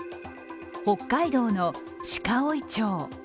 北海道の鹿追町。